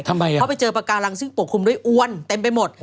เขาไปเจอปากาลังซึ่งปกคลุมด้วยอ้วนเต็มไปหมด